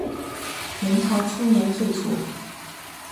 元朝初年废除。